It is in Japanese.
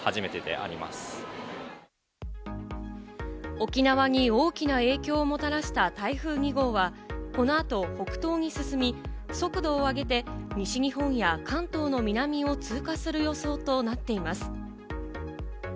沖縄に大きな影響をもたらした台風２号は、このあと北東に進み、速度を上げて西日本や関東の南を通過する予想となっています。